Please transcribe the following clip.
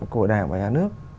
của đảng và nhà nước